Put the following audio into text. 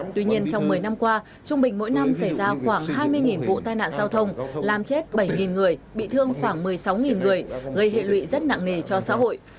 tuy nhiên trong một mươi năm qua trung bình mỗi năm xảy ra khoảng hai mươi vụ tai nạn giao thông làm chết bảy người bị thương khoảng một mươi sáu người gây hệ lụy rất nặng nề cho xã hội